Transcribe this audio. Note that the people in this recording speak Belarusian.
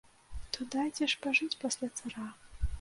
То дайце ж пажыць пасля цара!